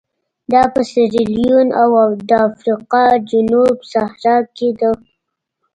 دا په سیریلیون او د افریقا جنوب صحرا کې ده.